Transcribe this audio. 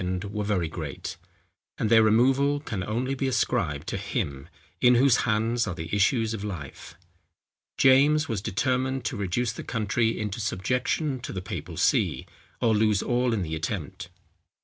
were very great; and their removal can only be ascribed to Him, in whose hands are the issues of life. James was determined to reduce the country into subjection to the papal see, or lose all in the attempt.